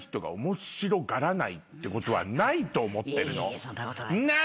そんなことない。